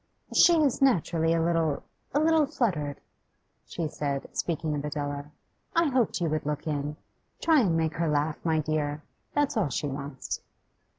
'She is naturally a little a little fluttered,' she said, speaking of Adela. 'I hoped you would look in. Try and make her laugh, my dear; that's all she wants.